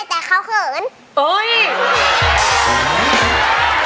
ก็ได้รู้ไปหมด